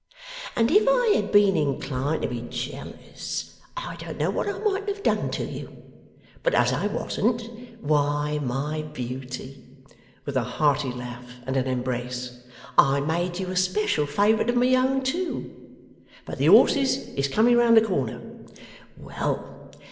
And if I had been inclined to be jealous, I don't know what I mightn't have done to you. But as I wasn't why, my beauty,' with a hearty laugh and an embrace, 'I made you a special favourite of my own too. But the horses is coming round the corner. Well!